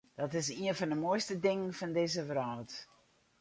Dat is ien fan de moaiste dingen fan dizze wrâld.